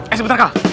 eh sebentar kak